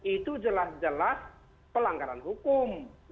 itu jelas jelas pelanggaran hukum